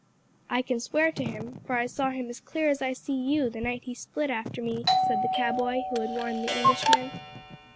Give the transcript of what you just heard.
"I can swear to him, for I saw him as clear as I see you the night he split after me," said the cowboy, who had warned the Englishman.